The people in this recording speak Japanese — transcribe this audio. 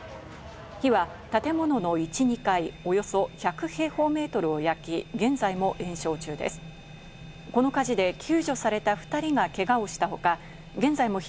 火は建物の１、２階およそ１００平方メートルを焼き、現在も延焼関東のお天気です。